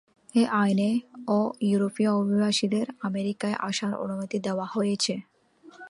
এই আইনে অ-ইউরোপীয় অভিবাসীদের আমেরিকায় আসার অনুমতি দেওয়া হয়েছে।